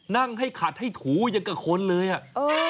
นั่งให้ขัดให้ถูอย่างกับคนเลยอ่ะ